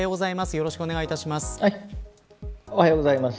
よろしくお願いします。